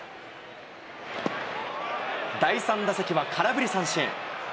第３打席は空振り三振。